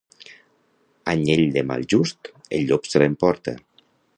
Anyell de mal just, el llop se l'emporta.